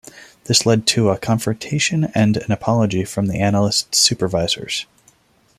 This led to a confrontation and an apology from the analyst's supervisors.